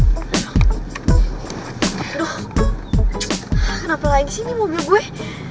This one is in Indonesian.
kenapa lagi sih ini mobil gue